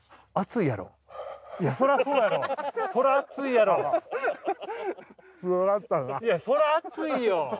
いやそりゃ熱いよ。